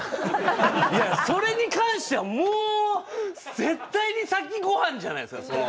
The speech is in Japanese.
いやいやそれに関してはもう絶対に先ごはんじゃないですか？